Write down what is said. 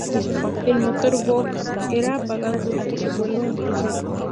El motor 'boost' era apagado durante el vuelo en crucero.